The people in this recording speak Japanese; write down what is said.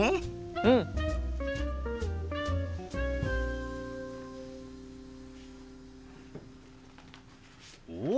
うん！おっ！